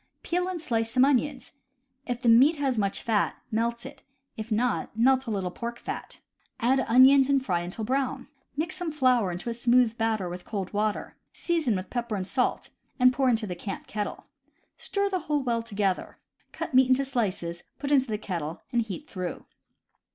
— Peel and slice some onions. If the meat has much fat, melt it; if not, melt a little pork fat. x\dd onions, and fry until brown. Mix some flour into a smooth batter with cold water, season with pepper and salt, and pour into the camp kettle. Stir the whole well together. Cut meat into slices, put into the kettle, and heat through.